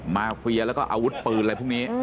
มาเฟียแล้วก็อาวุธปืนอะไรพวกนี้